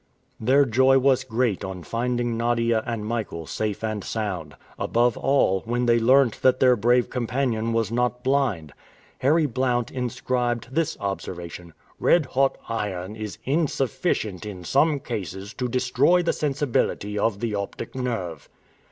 Their joy was great on finding Nadia and Michael safe and sound; above all, when they learnt that their brave companion was not blind. Harry Blount inscribed this observation: "Red hot iron is insufficient in some cases to destroy the sensibility of the optic nerve."